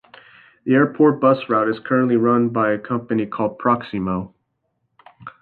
The airport bus route is currently run by a company called "Proximo".